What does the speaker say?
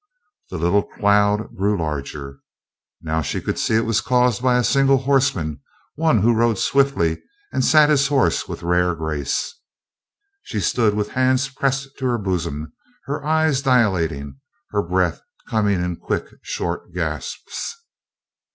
The little cloud grew larger. Now she could see it was caused by a single horseman, one who rode swiftly, and sat his horse with rare grace. She stood with hands pressed to her bosom, her eyes dilating, her breath coming in quick, short gasps.